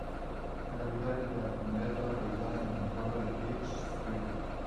La capital de la comunidad está localizada en el pueblo de Peach Springs.